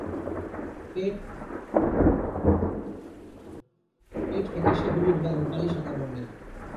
পেট ফ্যাকাসে-হলুদ বা রুপালি-সাদা বর্ণের।